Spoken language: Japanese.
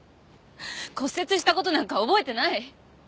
骨折したことなんか覚えてない。